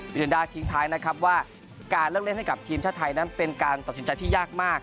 เดนด้าทิ้งท้ายนะครับว่าการเลือกเล่นให้กับทีมชาติไทยนั้นเป็นการตัดสินใจที่ยากมาก